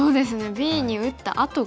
Ｂに打ったあとが。